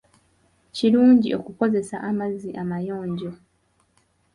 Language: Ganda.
Kirungi okukozesa amazzi amayonjo.